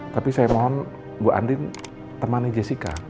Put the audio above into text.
tapi saya mohon bu andin temannya jessica